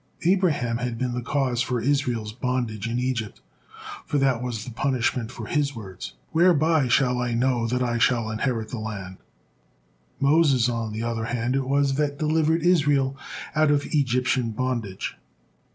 Abraham had been the cause for Israel's bondage in Egypt, for that was the punishment for his words, "'Whereby shall I know that I shall inherit 'the land?" Moses, on the other hand, it was that delivered Israel out of Egyptian bondage.